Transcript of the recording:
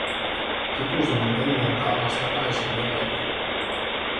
Kipusimme pengertä alas takaisin joelle.